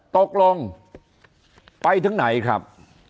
ตกลงไปถึงไหนครับ